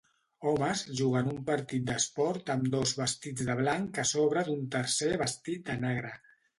Homes juguen un partit d'esport amb dos vestits de blanc a sobre d'un tercer vestit de negre.